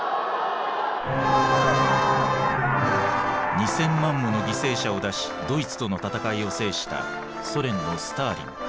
２，０００万もの犠牲者を出しドイツとの戦いを制したソ連のスターリン。